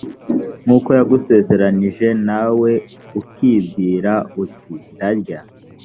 nk’uko yagusezeranije nawe ukibwira uti ndarya